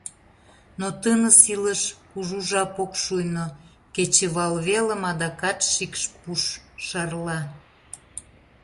Но тыныс илыш кужу жап ок шуйно, кечывалвелым адакат шикш пуш шарла.